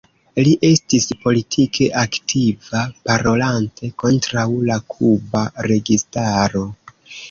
Li estis politike aktiva parolante kontraŭ la kuba registaro.